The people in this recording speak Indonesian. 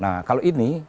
nah kalau ini